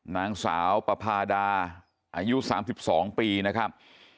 นางสาวปภาดาอายุ๓๒ปีนะครับ